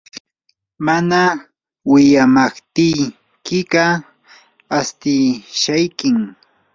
mana wiyamaptiykiqa astishaykim.